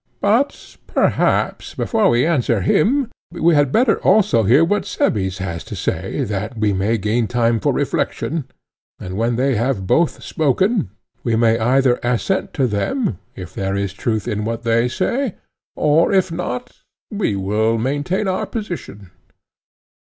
But perhaps, before we answer him, we had better also hear what Cebes has to say that we may gain time for reflection, and when they have both spoken, we may either assent to them, if there is truth in what they say, or if not, we will maintain our position.